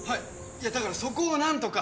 いやだからそこを何とか。